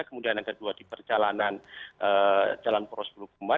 kemudian yang kedua di perjalanan jalan poros puluh kumbar